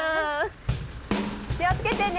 気をつけてね！